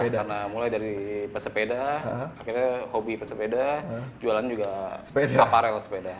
iya karena mulai dari pesepeda akhirnya hobi pesepeda jualan juga kaparel sepeda